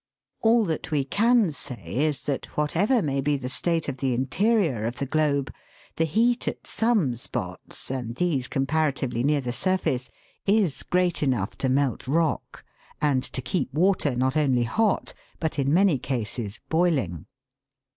All that we can say is that, whatever may be the state of the interior of the globe, the heat at some spots, and these comparatively near the surface, is great enough to melt rock, and to keep water not only hot, but in many cases boiling.